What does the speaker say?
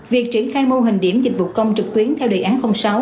việc triển khai mô hình điểm dịch vụ công trực tuyến theo đề án sáu